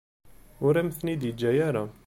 Ur am-ten-id-yeǧǧa ara.